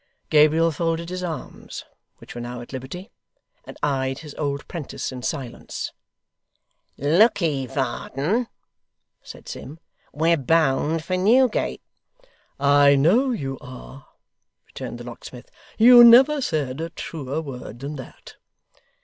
Gabriel folded his arms, which were now at liberty, and eyed his old 'prentice in silence. 'Lookye, Varden,' said Sim, 'we're bound for Newgate.' 'I know you are,' returned the locksmith. 'You never said a truer word than that.